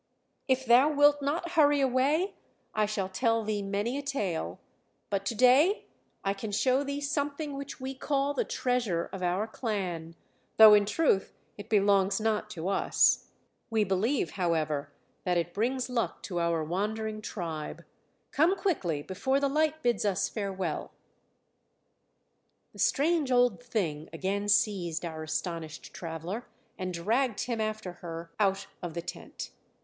"If thou wilt not hurry away I shall tell thee many a tale; but to day I can show thee something which we call the treasure of our clan, though in truth it belongs not to us; we believe, however, that it brings luck to our wandering tribe. Come quickly, before the light bids us farewell." The strange old thing again seized our astonished traveller and dragged him after her out of the tent.